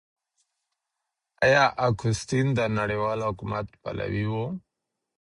آيا اګوستين د نړيوال حکومت پلوي و؟